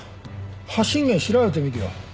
発信元調べてみるよ。